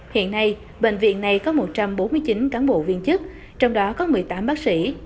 hiện nay bệnh viện này có một trăm bốn mươi chín cán bộ viên chức trong đó có một mươi tám bác sĩ